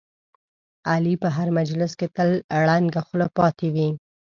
علي په هر مجلس کې تل ړنګه خوله پاتې وي.